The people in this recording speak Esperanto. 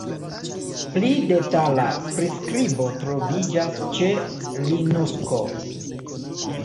Pli detala priskribo troviĝas ĉe Linukso.